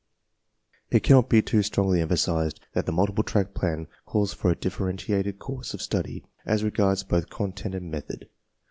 It cannot be too strongly emphasized that thsjmils tigk track plan calls for a diBFerentiatedcpiusfiLpf study , as regards both content and method.